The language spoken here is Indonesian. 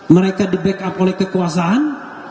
mereka di backup oleh kekuasaan